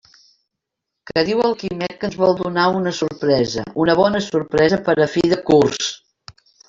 Que diu el Quimet que ens vol donar una sorpresa, una bona sorpresa per a fi de curs.